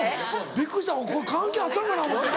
びっくりしたわ関係あったんかな思うて。